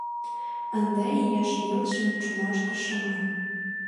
Ынде еш илышым чоҥаш тыршыман.